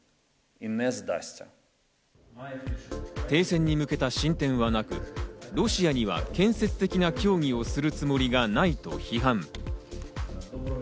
停戦に向けた進展はなく、ロシアには建設的な協議をするつもりはないと批判。